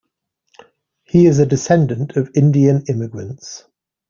He is a descendant of Indian immigrants.